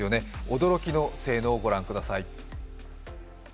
驚きの性能をご覧ください。